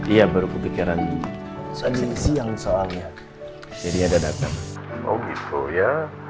iya baru ke pikiran saat ini siang soalnya jadi ada datang oh gitu ya